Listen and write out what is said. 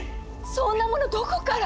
そんなものどこから？